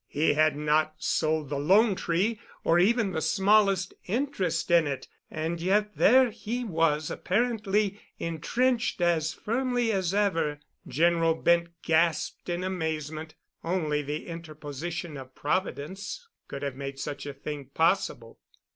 He had not sold the "Lone Tree" or even the smallest interest in it, and yet there he was apparently entrenched as firmly as ever. General Bent gasped in amazement. Only the interposition of Providence could have made such a thing possible.